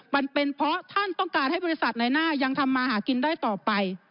มันเป็นเพราะท่านต้องการให้บริษัทในหน้ายังทำมาหากินได้ต่อไป